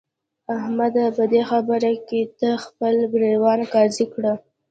احمده! په دې خبره کې ته خپل ګرېوان قاضي کړه.